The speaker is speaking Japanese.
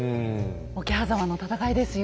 桶狭間の戦いですよ。